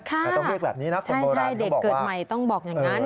ค่ะใช่เด็กเกิดใหม่ต้องบอกอย่างนั้นแต่ต้องเรียกแบบนี้นะคนโบราณ